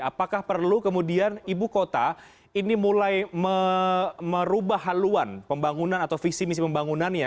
apakah perlu kemudian ibu kota ini mulai merubah haluan pembangunan atau visi misi pembangunannya